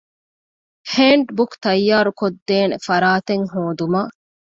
ހޭންޑްބުކް ތައްޔާރުކޮށްދޭނެ ފަރާތެއް ހޯދުމަށް